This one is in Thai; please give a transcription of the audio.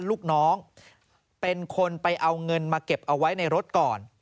ลูกน้องเป็นคนไปเอาเงินมาเก็บเอาไว้ในรถก่อน